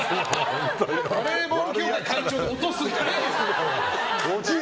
バレーボール協会会長で落とすんじゃないよ！